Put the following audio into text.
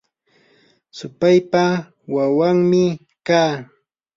supaypa wawanmi kaa.